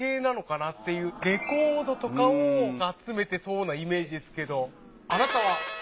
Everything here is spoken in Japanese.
レコードとかを集めてそうなイメージですけど。